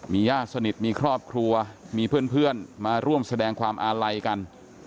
มีญาติสนิทมีครอบครัวมีเพื่อนมาร่วมแสดงความอาลัยกัน